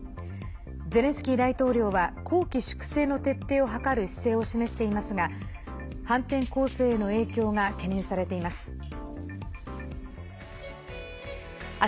ゼレンスキー大統領は綱紀粛正の徹底を図る姿勢を示していますが反転攻勢への影響が懸念されています。